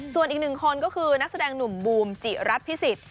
ส่วนอีกหนึ่งคนก็คือนักแสดงหนุ่มบูมจิรัตนพิสิทธิ